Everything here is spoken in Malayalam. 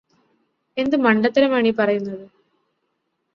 എന്തു മണ്ടത്തരമാണ് ഈ പറയുന്നത്.